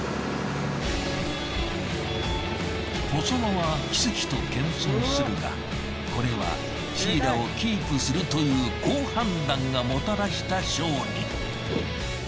細間は奇跡と謙遜するがこれはシイラをキープするという好判断がもたらした勝利。